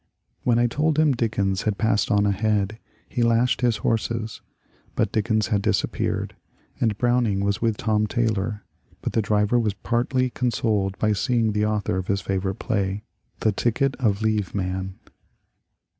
When I told him Dickens had passed on ahead he lashed his horses, but Dickens had disappeared, and Browning was with Tom Taylor. But the driver was partly consoled by seeing the author of his favourite play, ^* The Ticket of leave Man."